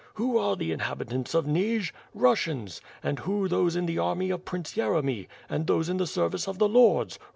Who are the inhabitants of Nij?" Kussians! And who those in the army of Prince Yeremy? And those in the service of the lords?